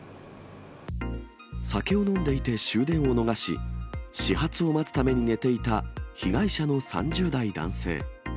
酒を飲んでいて終電を逃し、始発を待つために寝ていた被害者の３０代男性。